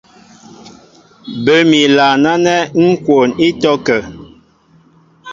Bə́ mi ilaan ánɛ́ ŋ́ kwoon ítɔ́kə̂.